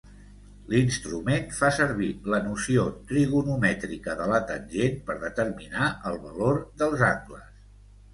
L'instrument fa servir la noció trigonomètrica de la tangent per determinar el valor dels angles.